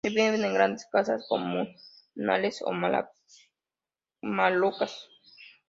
Viven en grandes casas comunales o malocas.